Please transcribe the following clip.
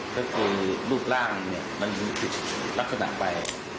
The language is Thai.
ก็คือรูปร่างเนี่ยมันมีจุดลักษณะไป